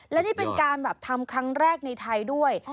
และนี่เป็นการแบบทำครั้งแรกในไทยด้วย